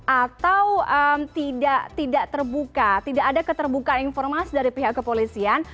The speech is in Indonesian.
atau tidak terbuka tidak ada keterbukaan informasi dari pihak kepolisian